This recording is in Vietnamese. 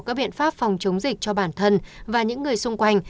các biện pháp phòng chống dịch cho bản thân và những người xung quanh